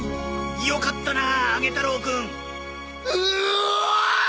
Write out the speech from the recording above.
よかったなああげ太郎くん。うお！！